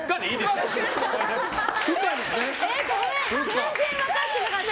全然分かってなかった。